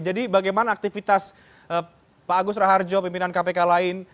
jadi bagaimana aktivitas pak agus raharjo pimpinan kpk lain